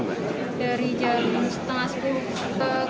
dari jam setengah sepuluh